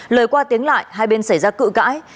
lời qua tiếng lại hai bên xảy ra cự cãi